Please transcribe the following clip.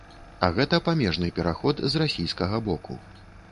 А гэта памежны пераход з расійскага боку.